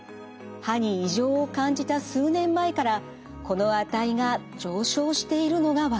歯に異常を感じた数年前からこの値が上昇しているのが分かります。